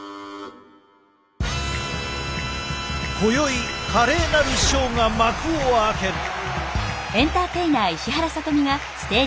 今宵華麗なるショーが幕を開ける！